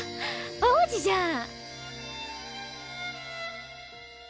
王子じゃん。